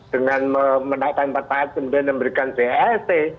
dengan menaikkan perpayatan dan memberikan blt